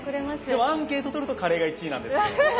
でもアンケートとるとカレーが１位なんですよ。